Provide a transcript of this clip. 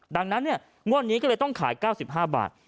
ดังนั้นงวดนี้ก็เลยต้องขาย๙๕บาท